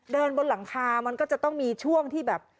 บนหลังคามันก็จะต้องมีช่วงที่แบบ